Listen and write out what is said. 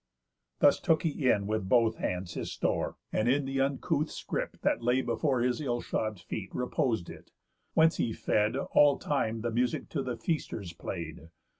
Thus took he in with both his hands his store, And in the uncouth scrip, that lay before His ill shod feet, repos'd it; whence he fed All time the music to the feasters play'd.